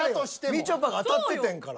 みちょぱが当たっててんから。